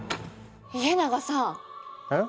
家長さん！